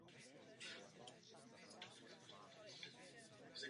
Ve věci vašich doporučení vás vezmeme za slovo.